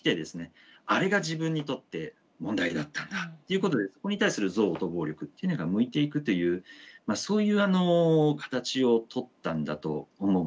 あれが自分にとって問題だったんだっていうことでここに対する憎悪と暴力っていうのが向いていくというそういう形をとったんだと思うんですね。